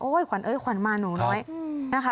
โอ้ยขวัญเอ๊ยขวัญมาหนูน้อย